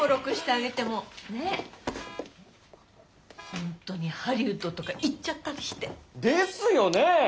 本当にハリウッドとか行っちゃったりして。ですよね！